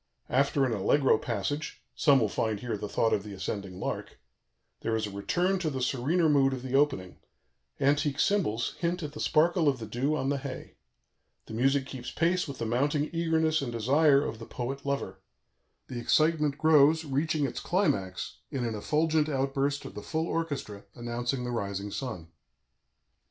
After an allegro passage (some will find here the thought of the ascending lark), there is a return to the serener mood of the opening; antique cymbals hint at the sparkle of the dew on the hay. The music keeps pace with the mounting eagerness and desire of the poet lover; the excitement grows, reaching its climax in an effulgent outburst of the full orchestra, announcing the rising sun.